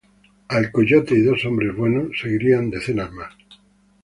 A "El Coyote" y "Dos hombres buenos" seguirían decenas más.